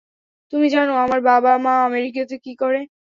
তুমি জানো আমার বাবা-মা আমেরিকাতে কী করে?